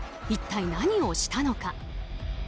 一体何をしたのか。